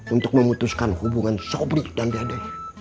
untuk memutuskan hubungan sobri dan dede